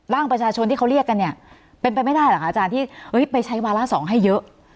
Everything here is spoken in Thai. ร่างประชาชนที่เขาเรียกกันเนี่ยเป็นไปไม่ได้เหรอคะอาจารย์ที่ไปใช้วาระ๒ให้เยอะ